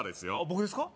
僕ですか？